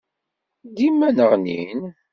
Dima nneɣnin.